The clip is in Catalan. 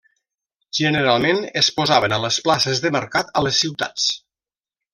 Generalment es posaven a les places de mercat a les ciutats.